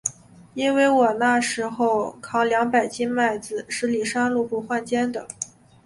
因为我那时候，扛两百斤麦子，十里山路不换肩的。